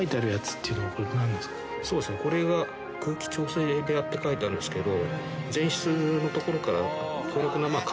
「これが空気調整部屋って書いてあるんですけど」